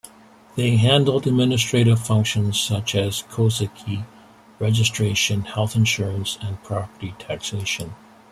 They handle administrative functions such as "koseki" registration, health insurance, and property taxation.